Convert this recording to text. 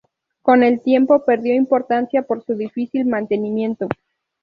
Con el tiempo perdió importancia por su difícil mantenimiento.